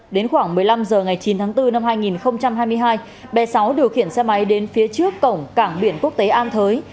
đến khoảng một mươi năm h ngày chín tháng bốn năm hai nghìn hai mươi hai bé sáu điều khiển xe máy đến phía trước cổng cảng biển quốc tế an thới